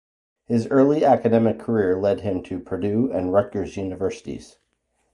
His early academic career led him to Purdue and Rutgers universities.